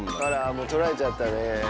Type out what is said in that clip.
取られちゃったね。